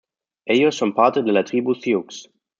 Ellos son parte de la tribu "sioux".